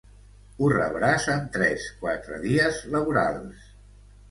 Ho rebràs en tres-quatre dies laborals.